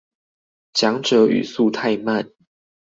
講者語速太慢